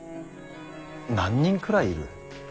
何人くらいいる。